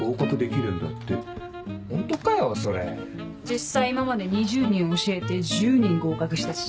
実際今まで２０人教えて１０人合格したし。